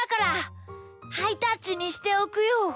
ハイタッチにしておくよ。